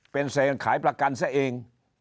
เป็นเซนขายประกันซะเอง